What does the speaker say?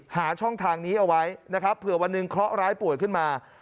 ช่องทางนี้เอาไว้นะครับเผื่อวันหนึ่งเคราะหร้ายป่วยขึ้นมา